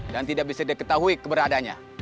dan tidak bisa diketahui keberadanya